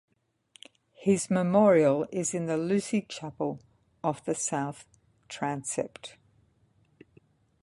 His memorial is in the Lucy Chapel, off the South Transept.